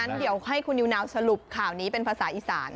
เดี๋ยวให้คุณนิวนาวสรุปข่าวนี้เป็นภาษาอีสาน